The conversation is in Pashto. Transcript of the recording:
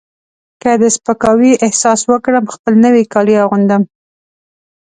که د سپکاوي احساس وکړم خپل نوي کالي اغوندم.